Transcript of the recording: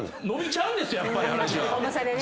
伸びちゃうんです原西は。